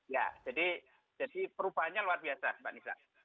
ya jadi perubahannya luar biasa mbak nisa